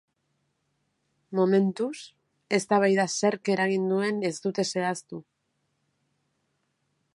Momentuz, eztabaida zerk eragin duen ez dute zehaztu.